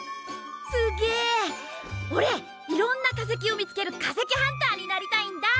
すげえ！おれいろんな化石を見つける化石ハンターになりたいんだ！